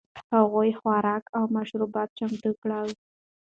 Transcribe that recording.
هغوی خوراک او مشروبات چمتو کړل.